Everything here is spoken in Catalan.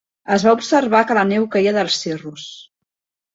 Es va observar que la neu queia dels cirrus.